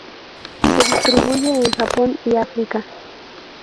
Se distribuye en Japón y África.